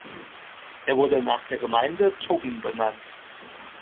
Er wurde nach der Gemeinde Tuggen benannt.